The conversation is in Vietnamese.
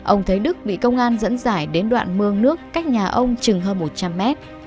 ông thấy đức bị công an dẫn dải đến đoạn mương nước cách nhà ông chừng hơn một trăm linh mét